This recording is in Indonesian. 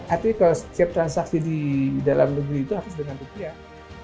artinya kalau setiap transaksi di dalam negeri itu harus dengan rupiah